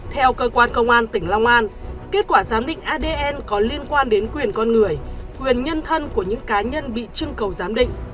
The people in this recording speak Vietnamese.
theo cơ quan công an tỉnh long an kết quả giám định adn có liên quan đến quyền con người quyền nhân thân của những cá nhân bị trưng cầu giám định